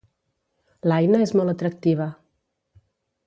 L'Aina és molt atractiva